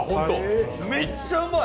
めっちゃうまい！